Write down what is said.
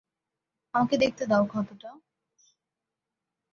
আমাকে দেখতে দাও ক্ষতটা!